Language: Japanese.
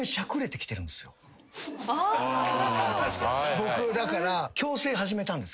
僕だから。